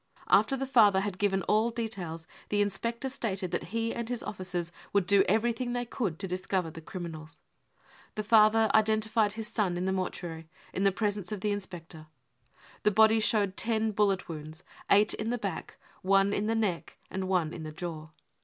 After the father had given all details, the inspector stated that he and his officers would do everything they could to discover the criminals. The father identified his son in the mortuary, in the presence of the inspector. The body showed ten bullet wounds, eight in the back, one in the neck, and one in the jaw.